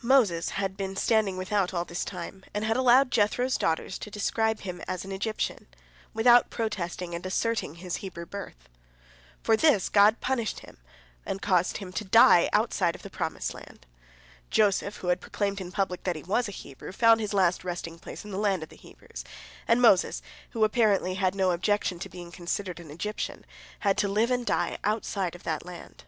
Moses had been standing without all this time, and had allowed Jethro's daughters to describe him as an Egyptian, without protesting and asserting his Hebrew birth. For this God punished him by causing him to die outside of the promised land. Joseph, who had proclaimed in public that he was a Hebrew, found his last resting place in the land of the Hebrews, and Moses, who apparently had no objection to being considered an Egyptian, had to live and die outside of that land.